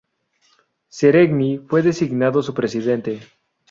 Seregni fue designado su presidente.